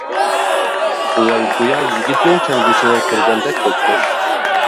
بوۋاي گويا يىگىتنىڭ كەلگۈسىنى كۆرگەندەك بوپتۇ.